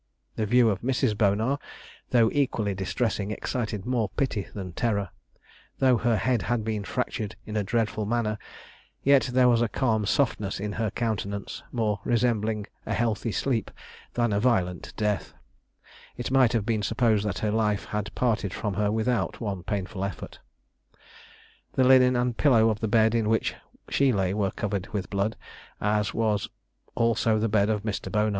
The view of Mrs. Bonar, though equally distressing, excited more pity than terror: though her head had been fractured in a dreadful manner, yet there was a calm softness in her countenance, more resembling a healthy sleep than a violent death; it might have been supposed that her life had parted from her without one painful effort. The linen and pillow of the bed in which she lay were covered with blood, as was also the bed of Mr. Bonar.